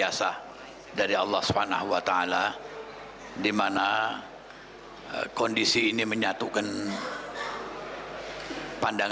assalamualaikum warahmatullahi wabarakatuh